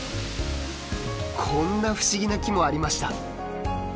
こんな不思議な木もありました。